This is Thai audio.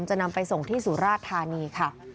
จะนำไปส่งที่สุราชธานีค่ะ